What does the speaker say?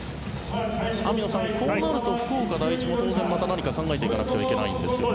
網野さん、こうなると福岡第一も当然また何かを考えていかなくてはならないですよね。